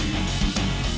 terima kasih chandra